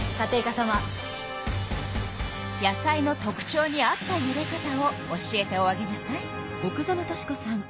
野菜の特ちょうに合ったゆで方を教えておあげなさい。